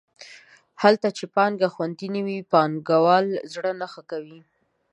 هلته چې پانګه خوندي نه وي پانګوال زړه نه ښه کوي.